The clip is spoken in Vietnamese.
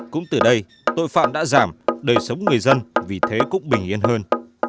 cũng từ đây tội phạm đã giảm đời sống người dân vì thế cũng bình yên hơn